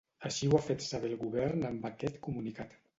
Així ho ha fet saber el govern amb aquest comunicat.